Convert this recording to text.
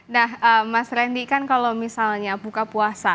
nah mas randy kan kalau misalnya buka puasa